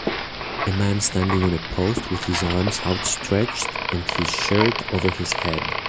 a man standing on a post with his arms outstretched and his shirt over his head.